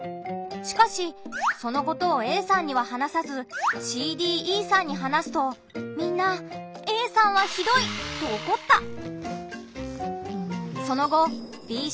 しかしそのことをＡさんには話さずＣ・Ｄ・Ｅさんに話すとみんな「Ａさんはひどい」とおこった。